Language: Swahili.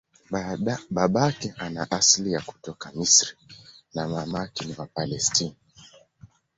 Babake ana asili ya kutoka Misri na mamake ni wa Palestina.